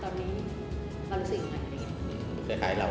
เรารู้สึกยังไง